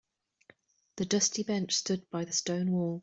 The dusty bench stood by the stone wall.